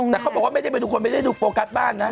แต่เขาบอกว่าให้คุณผู้หญิงไม่ได้ดูโฟกัสบ้านนะ